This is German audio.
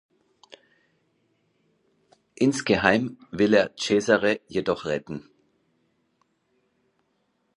Insgeheim will er Cesare jedoch retten.